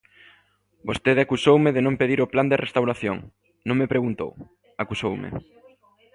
Vostede acusoume de non pedir o plan de restauración, non me preguntou, acusoume.